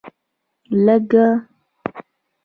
لږ